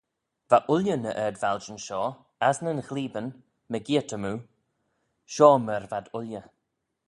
Va ooilley ny ard-valjyn shoh, as nyn ghleebyn mygeayrt-y-moo: shoh myr v'ad ooilley.